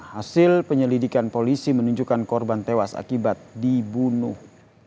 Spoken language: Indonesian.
hasil penyelidikan polisi menunjukkan korban tewas akibat dibunuh